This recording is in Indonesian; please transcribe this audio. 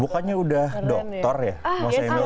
bukannya udah dokter ya mas emil tuh ya